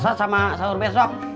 buat puasa sama sahur besok